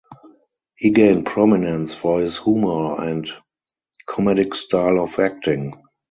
He gained prominence for his humor and comedic style of acting.